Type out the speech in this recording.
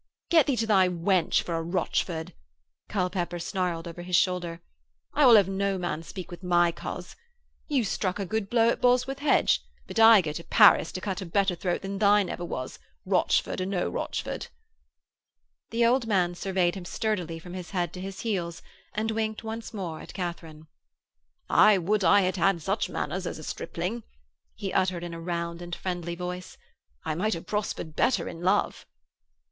'Get thee to thy wench, for a Rochford,' Culpepper snarled over his shoulder. 'I will have no man speak with my coz. You struck a good blow at Bosworth Hedge. But I go to Paris to cut a better throat than thine ever was, Rochford or no Rochford.' The old man surveyed him sturdily from his head to his heels and winked once more at Katharine. 'I would I had had such manners as a stripling,' he uttered in a round and friendly voice. 'I might have prospered better in love.'